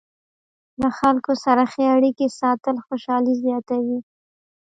له خلکو سره ښې اړیکې ساتل خوشحالي زیاتوي.